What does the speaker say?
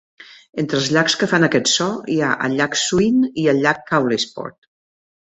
Entre els llacs que fan aquest so hi el Llac Sween i el Llac Caolisport.